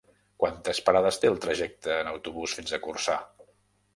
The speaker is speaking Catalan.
Quantes parades té el trajecte en autobús fins a Corçà?